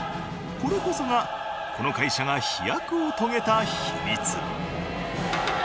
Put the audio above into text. これこそがこの会社が飛躍を遂げた秘密！